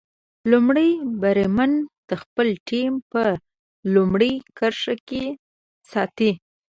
لومړی بریدمن د خپله ټیم په لومړۍ کرښه کې ساتي.